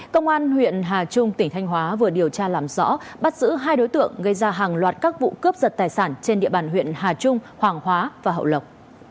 công an huyện hà trung tỉnh thanh hóa vừa điều tra làm rõ bắt giữ hai đối tượng gây ra hàng loạt các vụ cướp giật tài sản trên địa bàn huyện hà trung hoàng hóa và hậu lộc